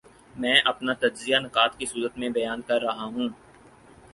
میں اپنا تجزیہ نکات کی صورت میں بیان کر رہا ہوں۔